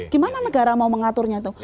gimana negara mau mengaturnya itu